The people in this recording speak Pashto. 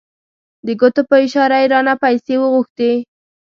د ګوتو په اشاره یې رانه پیسې وغوښتې.